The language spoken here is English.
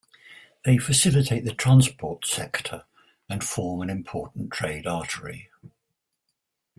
They facilitate the transport sector and form an important trade artery.